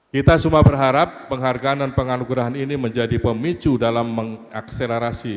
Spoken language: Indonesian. kita semua berharap penghargaan dan penganugerahan ini menjadi pemicu dalam mengakselerasi